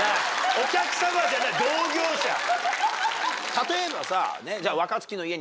例えばさ。